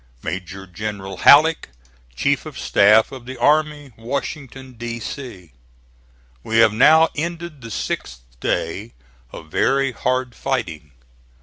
MAJOR GENERAL HALLECK, Chief of Staff of the Army, Washington, D. C. We have now ended the 6th day of very hard fighting.